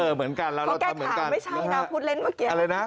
เฮ้ยปุ๊ย